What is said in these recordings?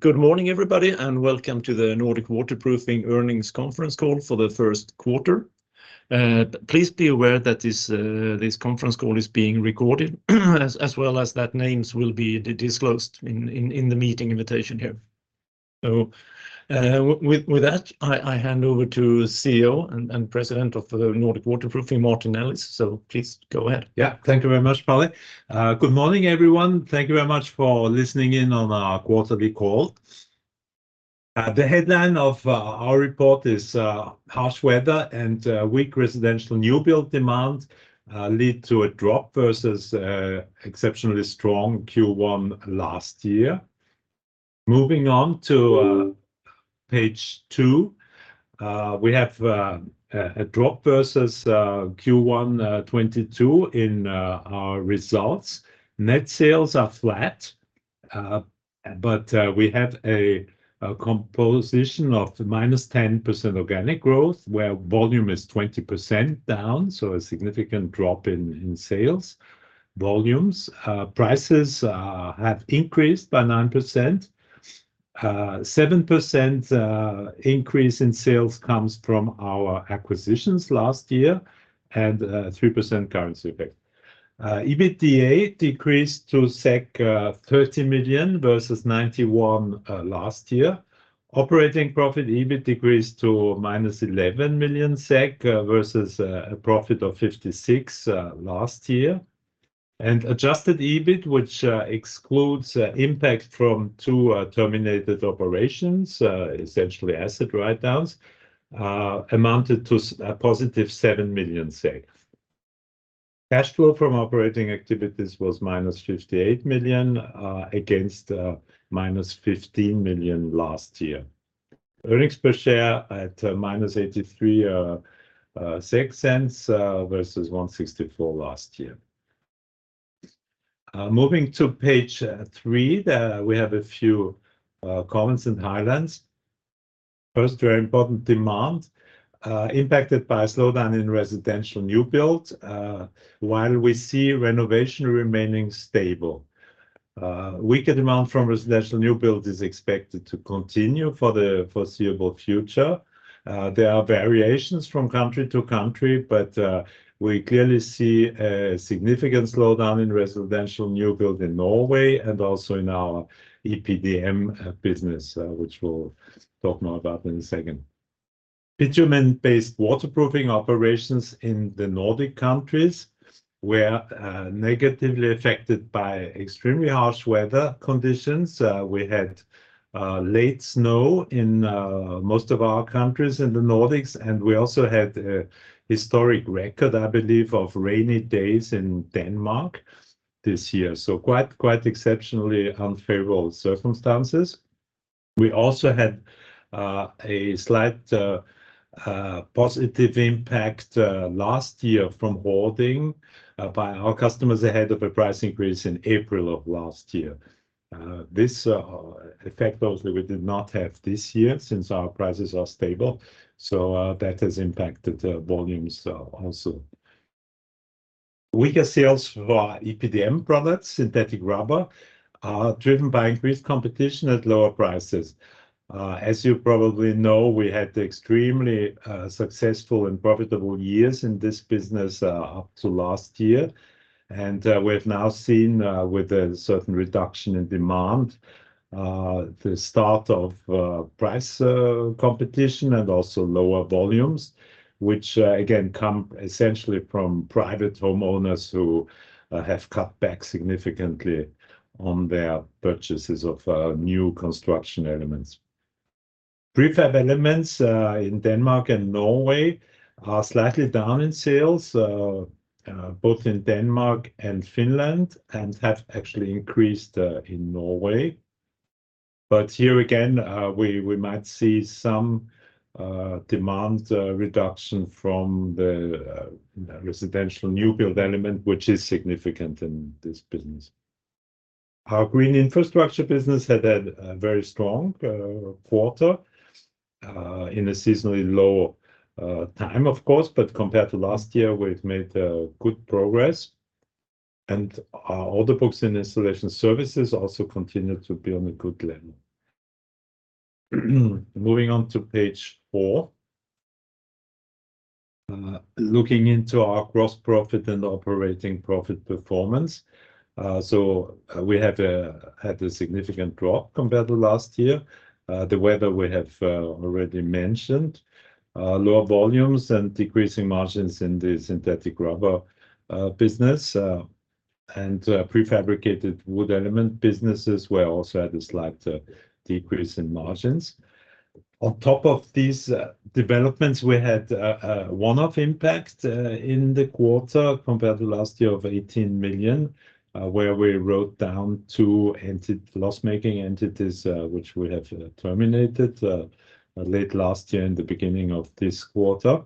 Good morning everybody, and welcome to the Nordic Waterproofing earnings conference call for the first quarter. Please be aware that this conference call is being recorded as well as that names will be disclosed in the meeting invitation here. With that, I hand over to CEO and President of the Nordic Waterproofing, Martin Ellis. Please go ahead. Yeah. Thank you very much, Palle. Good morning, everyone. Thank you very much for listening in on our quarterly call. The headline of our report is harsh weather and weak residential new build demand lead to a drop versus exceptionally strong Q1 last year. Moving on to Page 2. We have a drop versus Q1 2022 in our results. Net sales are flat. We have a composition of the -10% organic growth, where volume is 20% down, so a significant drop in sales volumes. Prices have increased by 9%. 7% increase in sales comes from our acquisitions last year and 3% currency effect. EBITDA decreased to 30 million versus 91 last year. Operating profit, EBIT decreased to -11 million SEK versus a profit of 56 million last year. Adjusted EBIT, which excludes impact from two terminated operations, essentially asset write-downs, amounted to a positive 7 million. Cash flow from operating activities was -58 million against -15 million last year. Earnings per share at -0.83 versus 1.64 last year. Moving to Page 3. There we have a few comments and highlights. First, very important demand impacted by a slowdown in residential new build, while we see renovation remaining stable. Weaker demand from residential new build is expected to continue for the foreseeable future. There are variations from country to country, but we clearly see a significant slowdown in residential new build in Norway and also in our EPDM business, which we'll talk more about in a second. Bitumen-based waterproofing operations in the Nordic countries were negatively affected by extremely harsh weather conditions. We had late snow in most of our countries in the Nordics, and we also had a historic record, I believe, of rainy days in Denmark this year. Quite, quite exceptionally unfavorable circumstances. We also had a slight positive impact last year from hoarding by our customers ahead of a price increase in April of last year. This effect obviously we did not have this year since our prices are stable, so that has impacted the volumes also. Weaker sales for EPDM products, synthetic rubber, are driven by increased competition at lower prices. As you probably know, we had extremely successful and profitable years in this business up to last year. We've now seen with a certain reduction in demand, the start of price competition and also lower volumes, which again, come essentially from private homeowners who have cut back significantly on their purchases of new construction elements. Prefab elements, in Denmark and Norway are slightly down in sales, both in Denmark and Finland, and have actually increased in Norway. Here again, we might see some demand reduction from the residential new build element, which is significant in this business. Our Green Infrastructure business had a very strong quarter in a seasonally low time of course, but compared to last year, we've made good progress. Our order books and Installation Services also continue to be on a good level. Moving on to Page 4. Looking into our gross profit and operating profit performance. We have had a significant drop compared to last year. The weather we have already mentioned. Lower volumes and decreasing margins in the synthetic rubber business and prefabricated wood element businesses were also at a slight decrease in margins. On top of these developments, we had one-off impact in the quarter compared to last year of 18 million, where we wrote down two loss-making entities, which we have terminated late last year and the beginning of this quarter.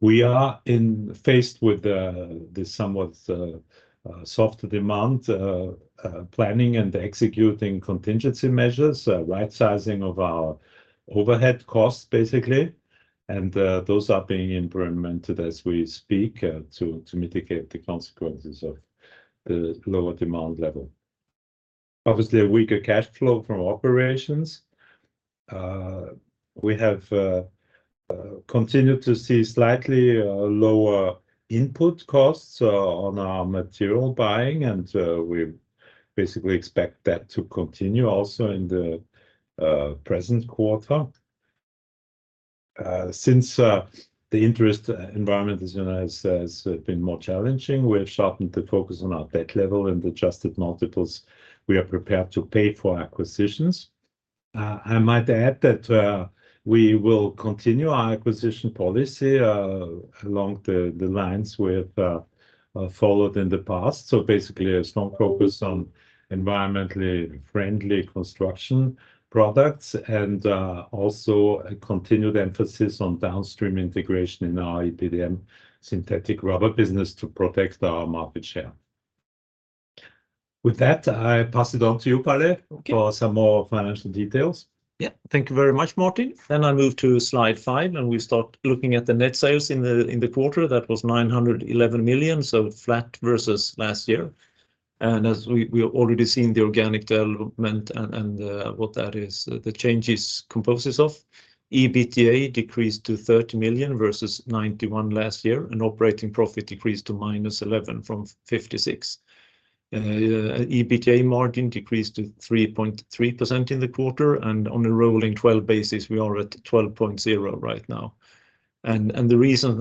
We are faced with the somewhat soft demand, planning and executing contingency measures, rightsizing of our overhead costs, basically. Those are being implemented as we speak, to mitigate the consequences of the lower demand level. Obviously a weaker cash flow from operations. We have continued to see slightly lower input costs on our material buying, and we basically expect that to continue also in the present quarter. Since the interest environment as you know has been more challenging, we have sharpened the focus on our debt level and adjusted multiples we are prepared to pay for acquisitions. I might add that we will continue our acquisition policy along the lines we have followed in the past. Basically a strong focus on environmentally friendly construction products and also a continued emphasis on downstream integration in our EPDM synthetic rubber business to protect our market share. With that, I pass it on to you, Palle. Okay. For some more financial details. Yeah. Thank you very much, Martin. I move to Slide 5, and we start looking at the net sales in the quarter. That was 911 million, so flat versus last year. As we have already seen the organic development and what that is, the changes composes of. EBITDA decreased to 30 million versus 91 million last year, and operating profit decreased to -11 million from 56 million. EBITDA margin decreased to 3.3% in the quarter, and on a rolling twelve basis, we are at 12.0% right now. The reason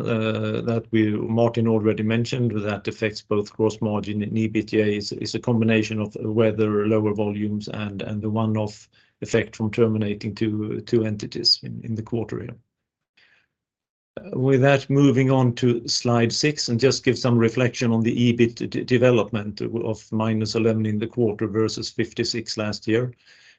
Martin already mentioned that affects both gross margin and EBITDA is a combination of weather, lower volumes and the one-off effect from terminating two entities in the quarter here. With that, moving on to Slide 6 and just give some reflection on the EBIT development of -11 million in the quarter versus 56 million last year.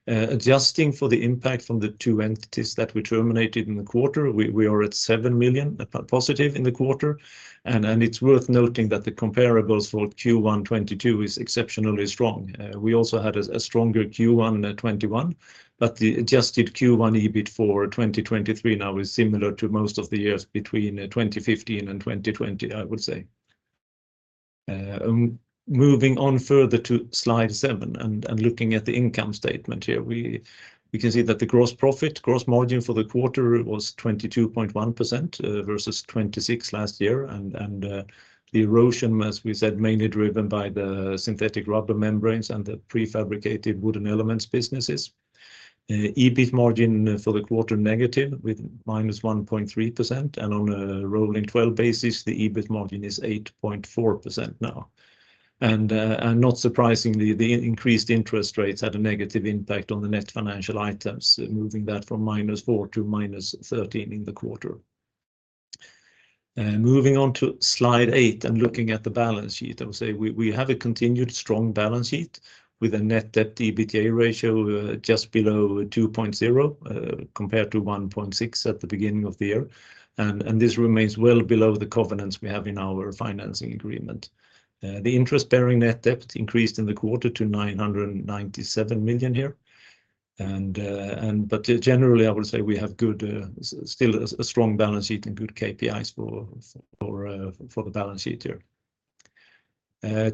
Adjusting for the impact from the two entities that we terminated in the quarter, we are at 7 million positive in the quarter. It's worth noting that the comparables for Q1 2022 is exceptionally strong. We also had a stronger Q1 2021, the adjusted Q1 EBIT for 2023 now is similar to most of the years between 2015 and 2020, I would say. Moving on further to Slide 7 and looking at the income statement here, we can see that the gross profit, gross margin for the quarter was 22.1% versus 26 last year. The erosion, as we said, mainly driven by the synthetic rubber membranes and the prefabricated wooden elements businesses. EBIT margin for the quarter negative with -1.3%, and on a rolling twelve basis, the EBIT margin is 8.4% now. Not surprisingly, the increased interest rates had a negative impact on the net financial items, moving that from -4 to -13 in the quarter. Moving on to Slide 8 and looking at the balance sheet, I would say we have a continued strong balance sheet with a net debt to EBITDA ratio just below 2.0, compared to 1.6 at the beginning of the year. This remains well below the covenants we have in our financing agreement. The interest-bearing net debt increased in the quarter to 997 million here. Generally, I would say we have a strong balance sheet and good KPIs for the balance sheet here.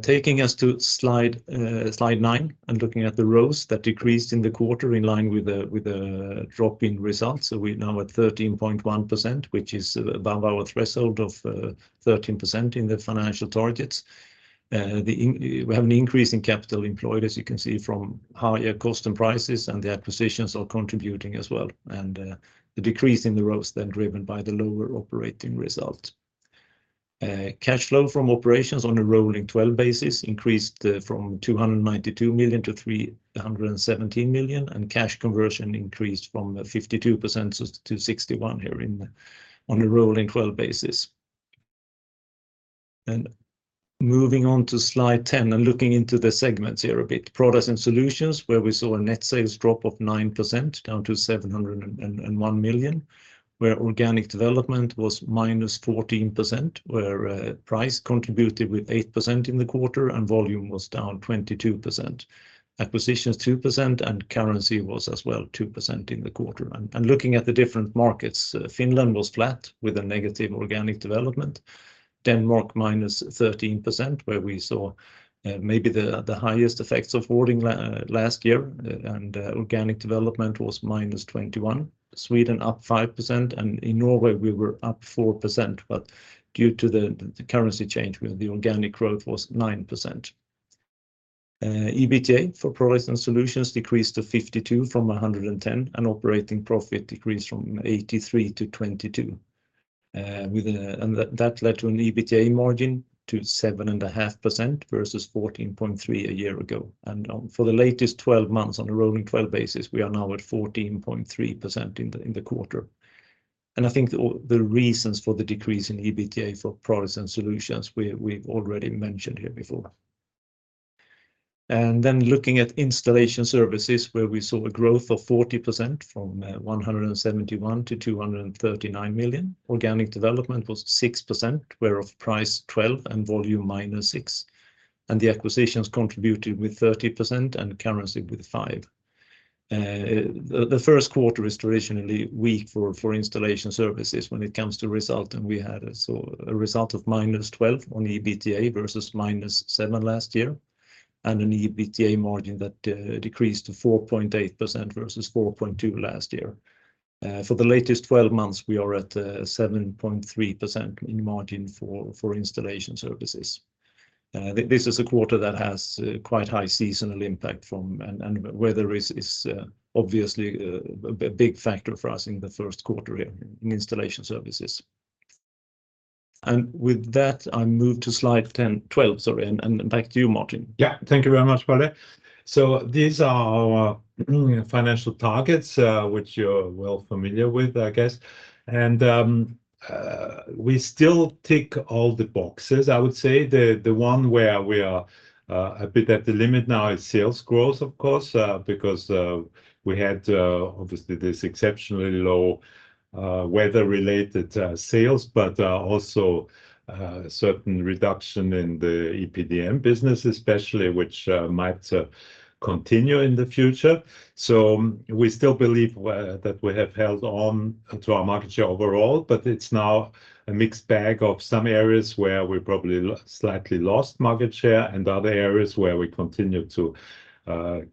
Taking us to Slide 9 and looking at the ROCE that decreased in the quarter in line with the drop in results. We're now at 13.1%, which is above our threshold of 13% in the financial targets. We have an increase in capital employed, as you can see, from higher cost and prices, and the acquisitions are contributing as well. The decrease in the ROCE driven by the lower operating result. Cash flow from operations on a rolling twelve basis increased from 292 million to 317 million, and cash conversion increased from 52%-61% here in the, on a rolling twelve basis. Moving on to Slide 10 and looking into the segments here a bit. Products and Solutions, where we saw a net sales drop of 9%, down to 701 million, where organic development was -14%, where price contributed with 8% in the quarter and volume was down 22%. Acquisitions, 2%, and currency was as well 2% in the quarter. Looking at the different markets, Finland was flat with a negative organic development. Denmark, -13%, where we saw maybe the highest effects of hoarding last year, organic development was -21%. Sweden, up 5%. In Norway, we were up 4%, but due to the currency change with the organic growth was 9%. EBITDA for Products and Solutions decreased to 52 million from 110 million, and operating profit decreased from 83 million to 22 million. That led to an EBITDA margin to 7.5% versus 14.3% a year ago. For the latest 12 months on a rolling 12 basis, we are now at 14.3% in the quarter. I think the, all the reasons for the decrease in EBITDA for Products and Solutions, we've already mentioned here before. Looking at Installation Services, where we saw a growth of 40% from 171 millionto 239 million. Organic development was 6%, whereof price 12% and volume -6%. The acquisitions contributed with 30% and currency with 5%. The first quarter is traditionally weak for Installation Services when it comes to result, and we had a result of -12 million on the EBITDA versus -7 million last year, and an EBITDA margin that decreased to 4.8% versus 4.2% last year. For the latest twelve months, we are at 7.3% in margin for Installation Services. This is a quarter that has quite high seasonal impact from. Weather is obviously a big factor for us in the first quarter here in Installation Services. With that, I move to Slide 12, sorry, and back to you, Martin. Thank you very much, Palle. These are our financial targets, which you're well familiar with, I guess. We still tick all the boxes. I would say the one where we are a bit at the limit now is sales growth, of course, because we had obviously this exceptionally low weather-related sales, but also certain reduction in the EPDM business especially, which might continue in the future. We still believe that we have held on to our market share overall, but it's now a mixed bag of some areas where we probably slightly lost market share and other areas where we continue to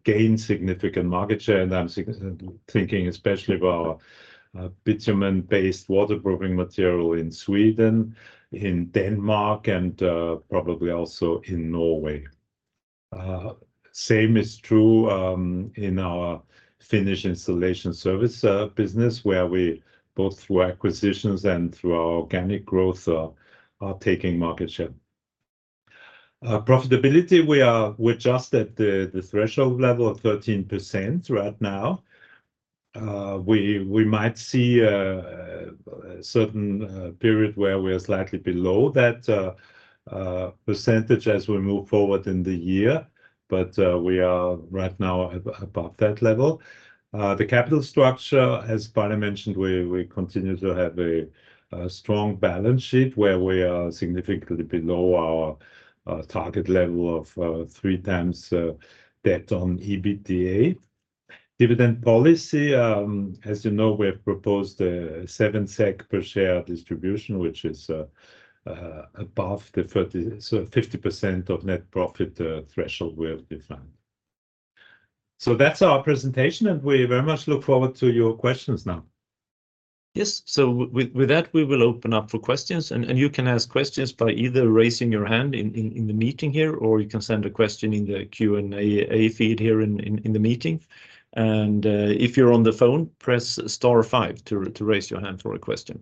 gain significant market share. I'm thinking especially of our bitumen-based waterproofing material in Sweden, in Denmark, and probably also in Norway. Uh, same is true, um, in our Finnish Installation Service, uh, business, where we, both through acquisitions and through our organic growth, are, are taking market share. Uh, profitability, we are-- we're just at the, the threshold level of thirteen percent right now. Uh, we, we might see a, a certain, uh, period where we're slightly below that, uh, uh, percentage as we move forward in the year. But, uh, we are right now a-above that level. Uh, the capital structure, as Palle mentioned, we, we continue to have a, a strong balance sheet, where we are significantly below our, uh, target level of, uh, 3x, uh, debt on EBITDA. Dividend policy, um, as you know, we have proposed a seven SEK per share distribution, which is, uh, uh, above the thirty, so 50% of net profit, uh, threshold we have defined. That's our presentation, and we very much look forward to your questions now. Yes. With that, we will open up for questions. You can ask questions by either raising your hand in the meeting here, or you can send a question in the Q&A feed here in the meeting. If you're on the phone, press star five to raise your hand for a question.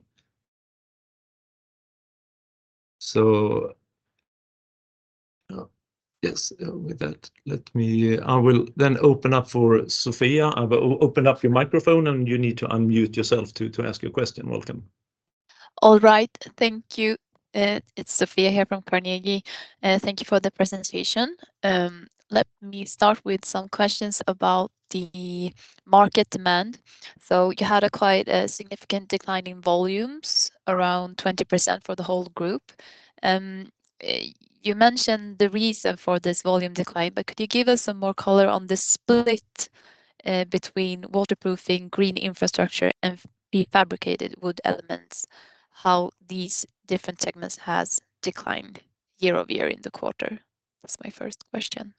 Yes. With that, I will then open up for Operator. I've opened up your microphone, and you need to unmute yourself to ask your question. Welcome. All right. Thank you. It's Sofia here from Carnegie. Thank you for the presentation. Let me start with some questions about the market demand. You had a quite a significant decline in volumes, around 20% for the whole group. You mentioned the reason for this volume decline, but could you give us some more color on the split between Waterproofing, Green Infrastructure, and Prefabricated Wooden Elements, how these different segments has declined year-over-year in the quarter? That's my first question.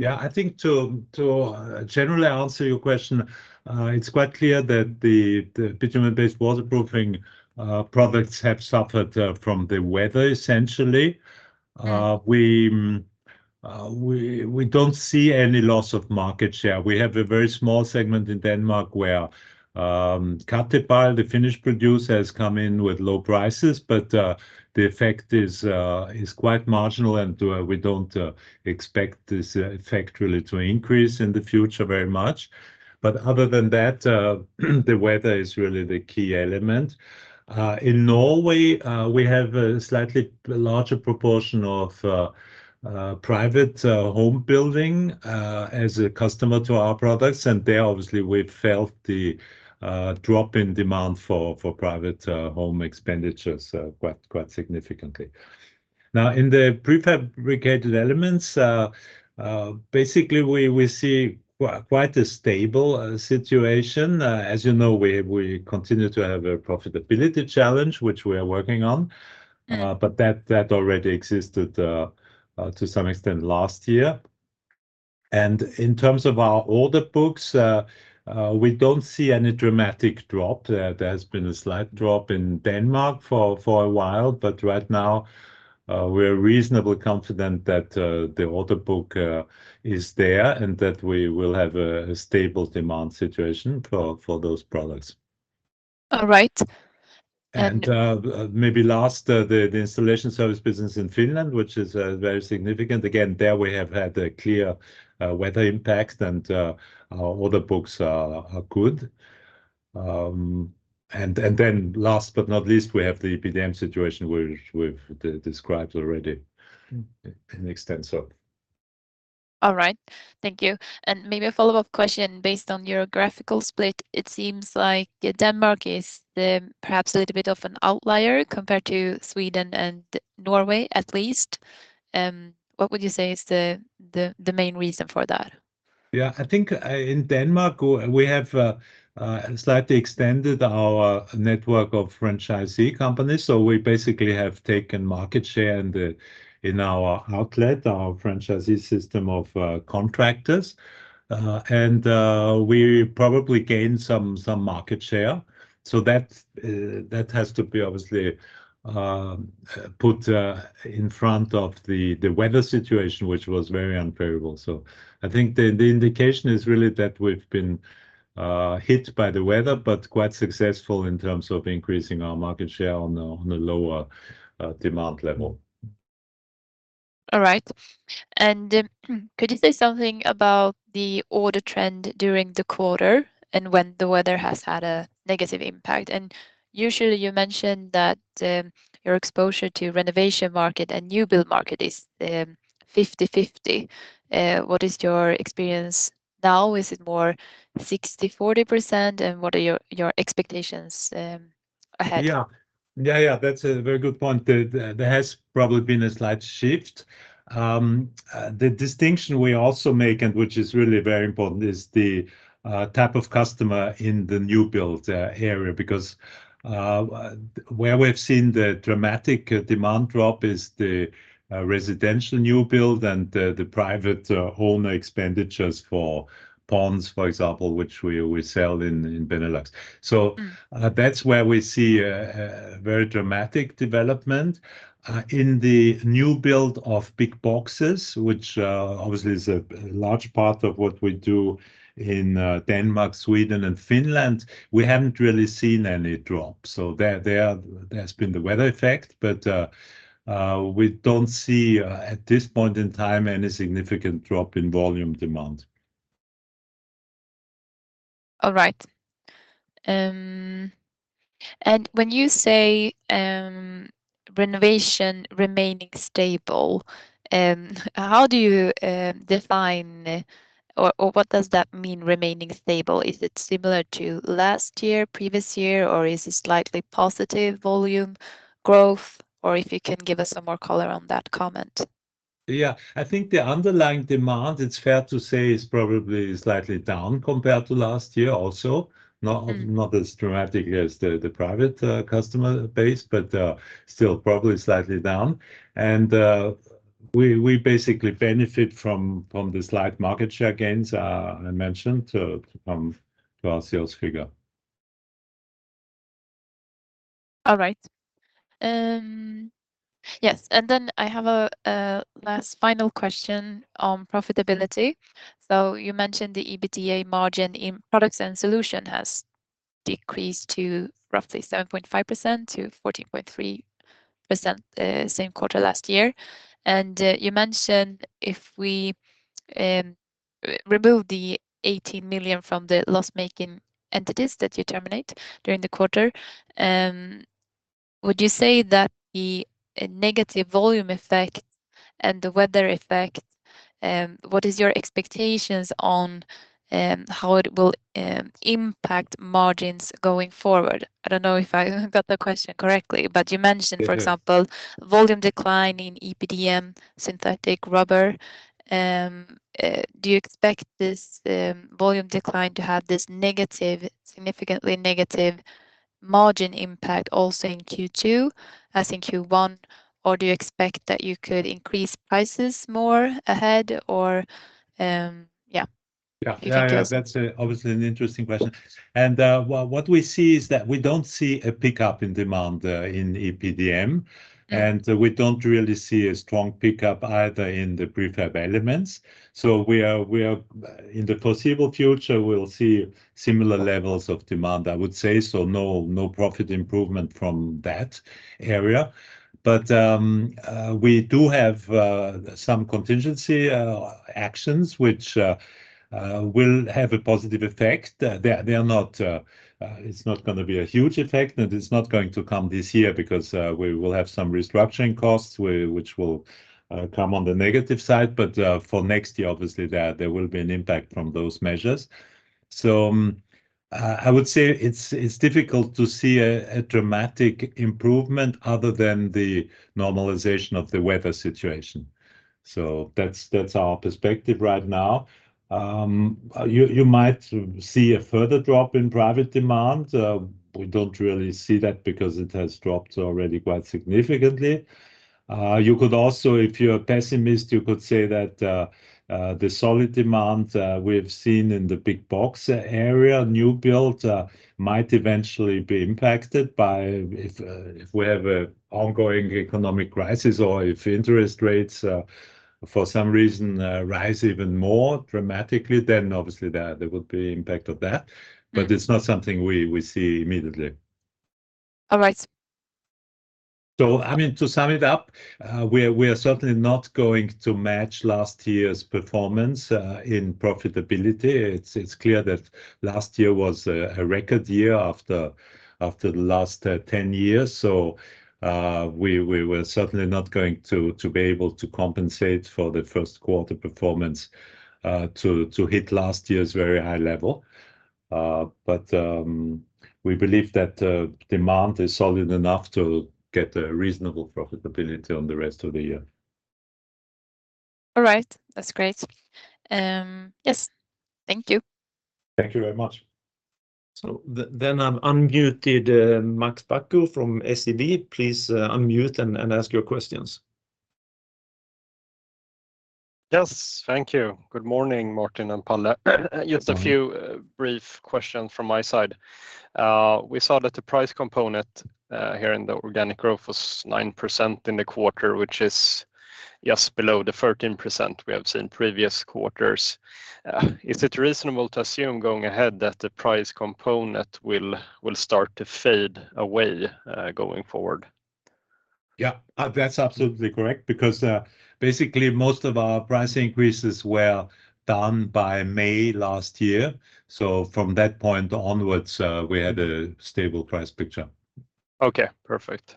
Yeah. I think to generally answer your question, it's quite clear that the bitumen-based waterproofing products have suffered from the weather, essentially. We don't see any loss of market share. We have a very small segment in Denmark where Katepal, the Finnish producer, has come in with low prices, but the effect is quite marginal, and we don't expect this effect really to increase in the future very much. Other than that, the weather is really the key element. In Norway, we have a slightly larger proportion of private home building as a customer to our products, and there, obviously, we've felt the drop in demand for private home expenditures quite significantly. In the prefabricated elements, basically we see quite a stable situation. As you know, we continue to have a profitability challenge, which we are working on. Mm-hmm. That already existed to some extent last year. In terms of our order books, we don't see any dramatic drop. There has been a slight drop in Denmark for a while, right now, we're reasonably confident that the order book is there and that we will have a stable demand situation for those products. All right. Maybe last, the Installation Service business in Finland, which is very significant. Again, there we have had a clear weather impact, and our order books are good. Then last but not least, we have the EPDM situation which we've de-described already in extent, so. All right. Thank you. Maybe a follow-up question based on your graphical split. It seems like Denmark is the perhaps a little bit of an outlier compared to Sweden and Norway at least. What would you say is the main reason for that? Yeah. I think, in Denmark, we have slightly extended our network of franchisee companies. We basically have taken market share in our outlet, our franchisee system of contractors. We probably gained some market share. That's that has to be obviously put in front of the weather situation, which was very unfavorable. I think the indication is really that we've been hit by the weather, but quite successful in terms of increasing our market share on a lower demand level. All right. Could you say something about the order trend during the quarter and when the weather has had a negative impact? Usually you mentioned that your exposure to renovation market and new build market is 50%/50%. What is your experience now? Is it more 60%/40%? What are your expectations ahead? Yeah. Yeah, that's a very good point. There has probably been a slight shift. The distinction we also make, and which is really very important, is the type of customer in the new build area, because where we've seen the dramatic demand drop is the residential new build and the private owner expenditures for ponds, for example, which we sell in Benelux. Mm. That's where we see a very dramatic development. In the new build of big boxes, which obviously is a large part of what we do in Denmark, Sweden, and Finland, we haven't really seen any drop. There's been the weather effect, but we don't see at this point in time any significant drop in volume demand. All right. When you say renovation remaining stable, how do you define or what does that mean remaining stable? Is it similar to last year, previous year, or is it slightly positive volume growth? If you can give us some more color on that comment. Yeah. I think the underlying demand, it's fair to say, is probably slightly down compared to last year also. Mm. -not as dramatic as the private customer base, but still probably slightly down. We basically benefit from the slight market share gains I mentioned to our sales figure. All right. Yes. Then I have a last final question on profitability. You mentioned the EBITDA margin in Products and Solutions has decreased to roughly 7.5%-14.3%, same quarter last year. You mentioned if we remove the 18 million from the loss-making entities that you terminate during the quarter, would you say that the negative volume effect and the weather effect, what is your expectations on how it will impact margins going forward? I don't know if I got the question correctly, but you mentioned... Yes, yes. for example, volume decline in EPDM synthetic rubber. Do you expect this volume decline to have this negative, significantly negative margin impact also in Q2 as in Q1? Or do you expect that you could increase prices more ahead or? Yeah. Yeah. If you can tell us. Yeah, yeah. That's obviously an interesting question. Well, what we see is that we don't see a pickup in demand in EPDM, and we don't really see a strong pickup either in the prefab elements. In the foreseeable future, we'll see similar levels of demand, I would say. No, no profit improvement from that area. We do have some contingency actions which will have a positive effect. They are not It's not gonna be a huge effect, and it's not going to come this year because we will have some restructuring costs which will come on the negative side. For next year, obviously, there will be an impact from those measures. I would say it's difficult to see a dramatic improvement other than the normalization of the weather situation. That's, that's our perspective right now. You might see a further drop in private demand. We don't really see that because it has dropped already quite significantly. You could also, if you're a pessimist, you could say that the solid demand we have seen in the big box area, new build, might eventually be impacted by if we have an ongoing economic crisis or if interest rates, for some reason, rise even more dramatically, then obviously there would be impact of that. Mm. It's not something we see immediately. All right. I mean, to sum it up, we are certainly not going to match last year's performance in profitability. It's clear that last year was a record year after the last 10 years. We were certainly not going to be able to compensate for the first quarter performance to hit last year's very high level. We believe that demand is solid enough to get a reasonable profitability on the rest of the year. All right. That's great. Yes, thank you. Thank you very much. Then I've unmuted Max Bäckman. from SEB. Please unmute and ask your questions. Yes. Thank you. Good morning, Martin and Palle. Good morning. Just a few brief questions from my side. We saw that the price component here in the organic growth was 9% in the quarter, which is just below the 13% we have seen previous quarters. Is it reasonable to assume going ahead that the price component will start to fade away going forward? Yeah. That's absolutely correct because, basically most of our price increases were done by May last year. From that point onwards, we had a stable price picture. Okay. Perfect.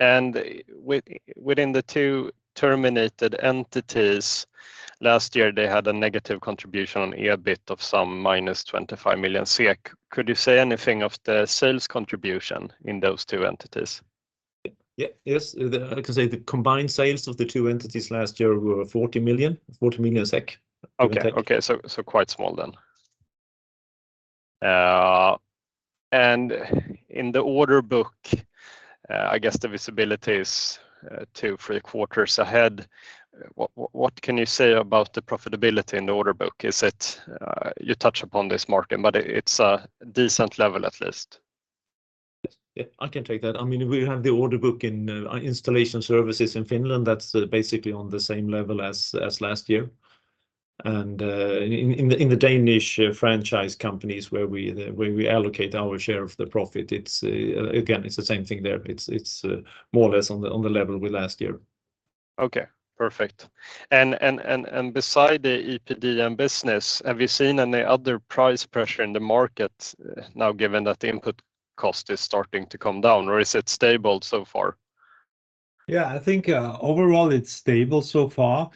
Within the two terminated entities, last year they had a negative contribution on EBIT of some -25 million SEK. Could you say anything of the sales contribution in those two entities? Yeah. Yes. I can say the combined sales of the two entities last year were 40 million. Okay. Okay. Quite small then. In the order book, I guess the visibility is two, three quarters ahead. What can you say about the profitability in the order book? Is it... You touched upon this, Martin, but it's a decent level at least. Yeah. I can take that. I mean, we have the order book in Installation Services in Finland that's basically on the same level as last year. In the Danish franchise companies where we allocate our share of the profit, it's again, it's the same thing there. It's more or less on the level with last year. Okay. Perfect. Beside the EPDM business, have you seen any other price pressure in the market now, given that the input cost is starting to come down, or is it stable so far? I think overall it's stable so far.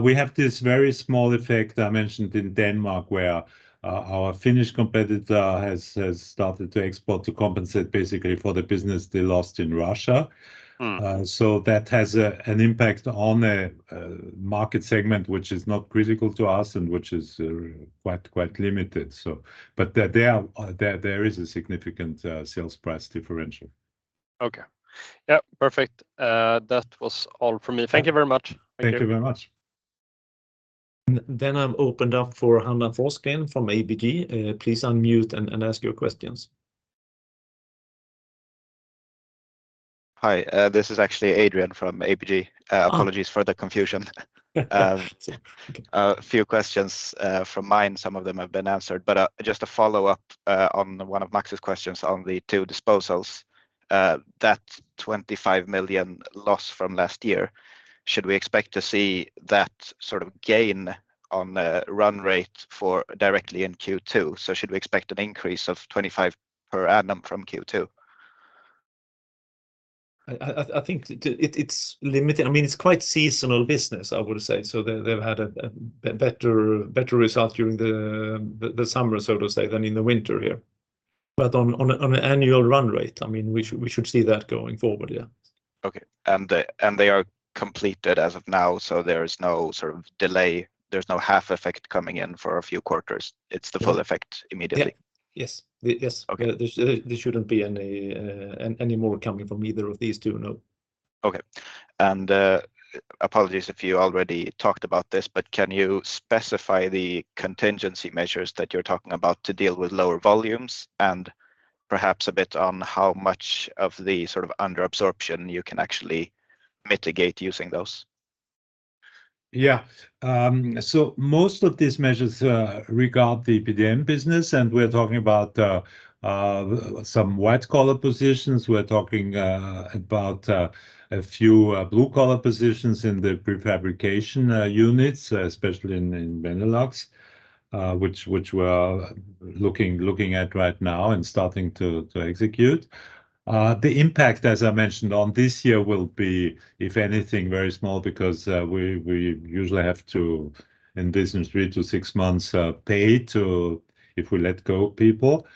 We have this very small effect I mentioned in Denmark where our Finnish competitor has started to export to compensate basically for the business they lost in Russia. Mm. That has an impact on a market segment which is not critical to us and which is quite limited. There is a significant sales price differential. Okay. Yeah. Perfect. That was all from me. Thank you very much. Thank you very much. I'm opened up for Hanna Forssell from ABG. Please unmute and ask your questions. Hi. This is actually Adrian from ABG. Oh. Apologies for the confusion. A few questions from mine. Some of them have been answered, just a follow-up on one of Max's questions on the two disposals. That 25 million loss from last year, should we expect to see that sort of gain on the run rate for directly in Q2? Should we expect an increase of 25 per annum from Q2? I think it's limited. I mean, it's quite seasonal business, I would say. They've had a better result during the summer, so to say, than in the winter here. On a, on a annual run rate, I mean, we should see that going forward. Yeah. Okay. They are completed as of now, so there is no sort of delay? There's no half effect coming in for a few quarters? It's the full effect immediately. Yeah. Yes. Yes. Okay. There shouldn't be any more coming from either of these two. No. Okay. apologies if you already talked about this, but can you specify the contingency measures that you're talking about to deal with lower volumes and perhaps a bit on how much of the sort of under absorption you can actually mitigate using those? Yeah. Most of these measures regard the EPDM business, and we're talking about some white collar positions. We're talking about a few blue collar positions in the prefabrication units, especially in Benelux, which we're looking at right now and starting to execute. The impact, as I mentioned on this year, will be, if anything, very small because we usually have to, in business, three to six months of pay to if we let go of people.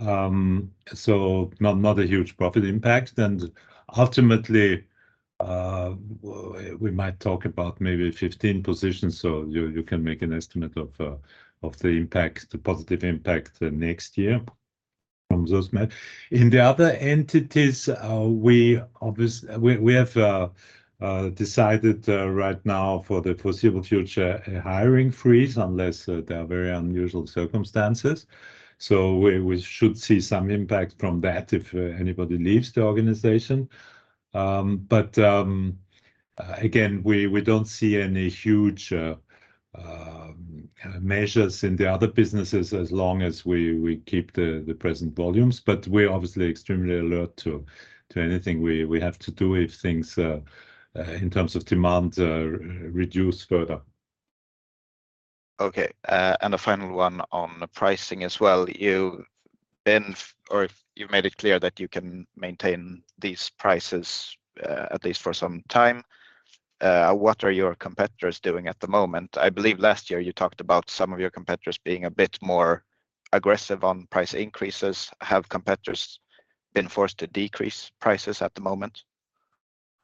Not a huge profit impact. Ultimately, we might talk about maybe 15 positions. You can make an estimate of the impact, the positive impact next year from those. In the other entities, we have decided right now for the foreseeable future a hiring freeze, unless there are very unusual circumstances. We should see some impact from that if anybody leaves the organization. Again, we don't see any huge measures in the other businesses as long as we keep the present volumes. We're obviously extremely alert to anything we have to do if things in terms of demand reduce further. Okay. A final one on the pricing as well. You've made it clear that you can maintain these prices, at least for some time. What are your competitors doing at the moment? I believe last year you talked about some of your competitors being a bit more aggressive on price increases. Have competitors been forced to decrease prices at the moment?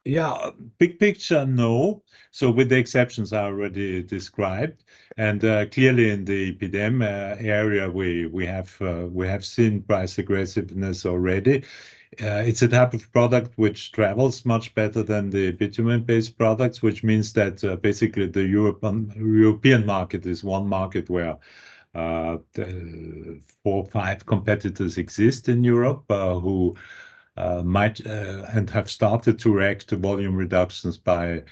Yeah. Big picture, no, so with the exceptions I already described. Clearly in the EPDM area, we have seen price aggressiveness already. It's a type of product which travels much better than the bitumen-based products, which means that basically the European market is one market where the 4, 5 competitors exist in Europe who might and have started to react to volume reductions by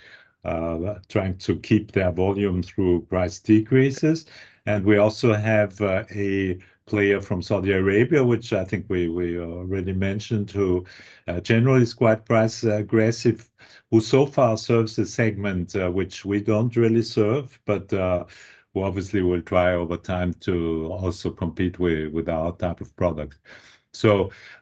trying to keep their volume through price decreases. We also have a player from Saudi Arabia, which I think we already mentioned, who generally is quite price aggressive, who so far serves the segment which we don't really serve, but who obviously will try over time to also compete with our type of product.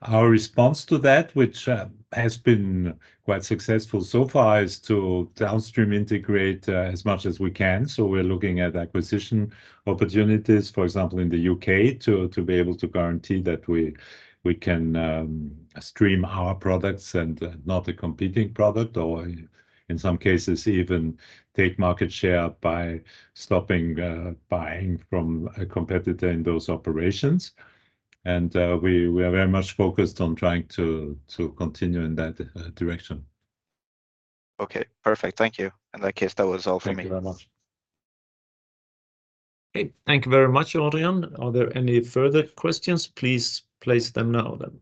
Our response to that, which has been quite successful so far, is to downstream integrate as much as we can. We're looking at acquisition opportunities, for example, in the U.K. to be able to guarantee that we can stream our products and not a competing product or in some cases even take market share by stopping buying from a competitor in those operations. We are very much focused on trying to continue in that direction. Okay, perfect. Thank you. In that case, that was all for me. Thank you very much. Okay. Thank you very much, Adrian. Are there any further questions? Please place them now then.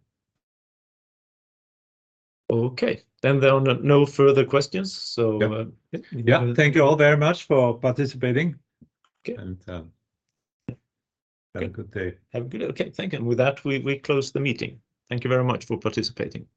Okay. There are no further questions. Yeah. Yeah. Yeah, thank you all very much for participating. Okay. Have a good day. Okay, tha nk you. With that, we close the meeting. Thank you very much for participating.